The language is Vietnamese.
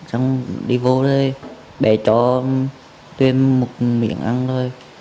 xong đi vô đây bé cho tuyên một miếng ăn thôi